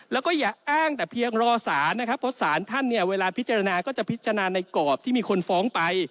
แล้วก็อย่าอ้างแต่เพียงรอสารนะครับเพราะสารท่านเนี่ยเวลาพิจารณาก็จะพิจารณาในกรอบที่มีคนฟ้องไป